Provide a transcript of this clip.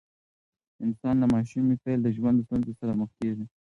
انسان له ماشومۍ پیل د ژوند ستونزو سره مخ کیږي.